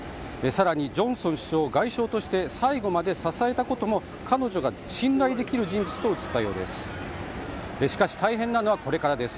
さらにジョンソン首相を外相として最後まで支えたことも彼女が信頼できる人物と映ったようです。